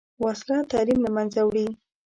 وسله تعلیم له منځه وړي